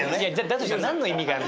だとしたら何の意味があるの？